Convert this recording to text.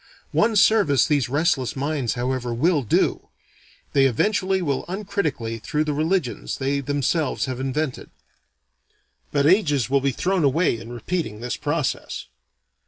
One service these restless minds however will do: they eventually will uncritically through the religions they themselves have invented. But ages will be thrown away in repeating this process.